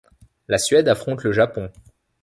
La Suède affronte le Japon.